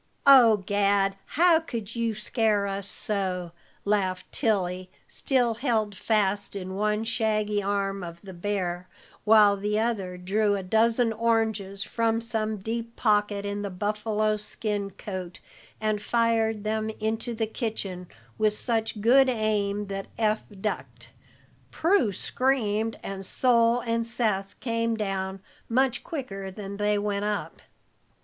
"Oh, Gad, how could you scare us so?" laughed Tilly, still held fast in one shaggy arm of the bear, while the other drew a dozen oranges from some deep pocket in the buffalo skin coat, and fired them into the kitchen with such good aim that Eph ducked, Prue screamed, and Sol and Seth came down much quicker than they went up.